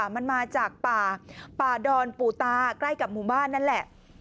มันมาจากป่าป่าดอนปู่ตาใกล้กับหมู่บ้านนั่นแหละ